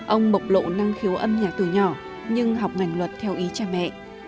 ông bộc lộ năng khiếu âm nhạc từ nhỏ nhưng học ngành luật theo ý cha mẹ